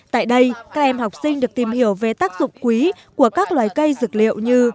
tại đây các em học sinh được tìm hiểu về tác dụng quý của các loài cây dược liệu như